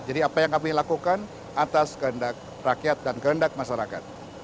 jadi apa yang kami lakukan atas kehendak rakyat dan kehendak masyarakat